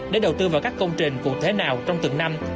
để đầu tư vào các công trình của thế nào trong từng năm